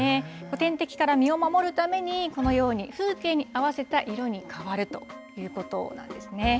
天敵から身を守るために、このように風景に合わせた色に変わるということなんですね。